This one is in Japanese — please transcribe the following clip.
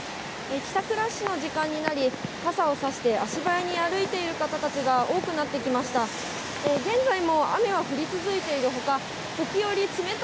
帰宅ラッシュの時間になり、傘を差して足早に歩いている方たちが多くなってきました。